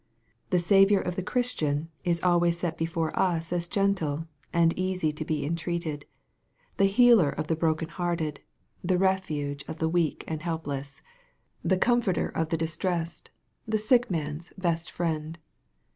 The Saviour of the Christian is always set before us as gentle, and easy to be entreated, the healer of the broken hearted, the refuge of the weals and helpless, the comforter of the distressed, the sick MAKK, vJHAP. V. 99 man's best friend.